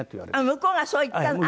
向こうがそう言ったの？